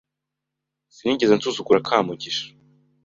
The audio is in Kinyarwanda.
Sinigeze nsuzugura Kamugisha.